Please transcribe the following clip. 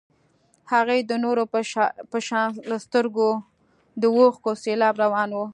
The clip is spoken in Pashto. هغې د نورو په شان له سترګو د اوښکو سېلاب روان و.